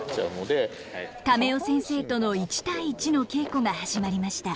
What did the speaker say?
亀尾先生との１対１の稽古が始まりました。